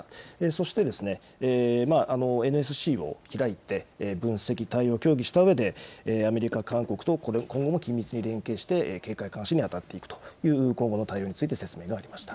そして、ＮＳＣを開いて、分析対応を協議したうえで、アメリカ、韓国と今後も緊密に連携して、警戒監視に当たっていくという今後の対応について説明がありまし